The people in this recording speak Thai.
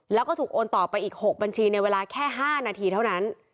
แล้วก็ถูกโอนต่อไปอีก๖บัญชีในเวลาแค่๕นาทีเท่านั้น